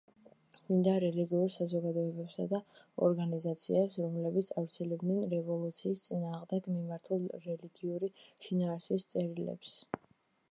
ქმნიდა რელიგიურ საზოგადოებებსა და ორგანიზაციებს, რომლებიც ავრცელებდნენ რევოლუციის წინააღმდეგ მიმართულ რელიგიური შინაარსის წერილებს.